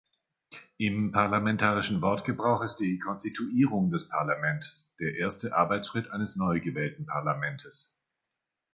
Im parlamentarischen Wortgebrauch ist die Konstituierung des Parlaments der erste Arbeitsschritt eines neugewählten Parlamentes.